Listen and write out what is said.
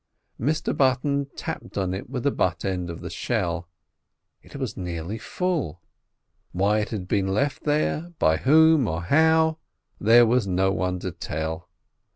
Mr Button tapped on it with the butt end of the shell: it was nearly full. Why it had been left there, by whom, or how, there was no one to tell.